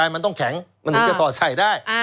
มันถึงจะสอดใจได้